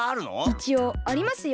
いちおうありますよ。